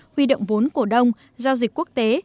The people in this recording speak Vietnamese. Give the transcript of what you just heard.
huy động vốn cổ đông giao dịch quốc tế